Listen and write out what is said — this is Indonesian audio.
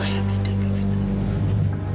sebagai orang yang tidak berkepentingan